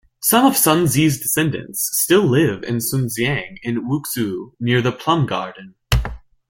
Some of Sunzi's descendants still live in Sunxiang in Wuxi near the Plum Garden.